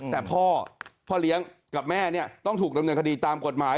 แต่พ่อพ่อเลี้ยงกับแม่เนี่ยต้องถูกดำเนินคดีตามกฎหมาย